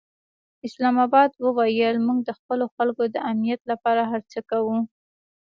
اسلام اباد وویل، موږ د خپلو خلکو د امنیت لپاره هر څه کوو.